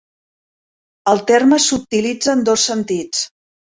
El terme s'utilitza en dos sentits.